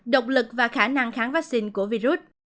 độc lực và khả năng kháng vaccine của virus